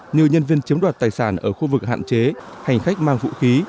như nhân viên chiếm đoạt tài sản ở khu vực hạn chế hành khách mang vũ khí